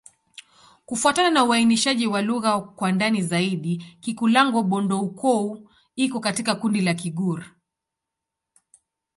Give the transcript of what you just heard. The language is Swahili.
Kufuatana na uainishaji wa lugha kwa ndani zaidi, Kikulango-Bondoukou iko katika kundi la Kigur.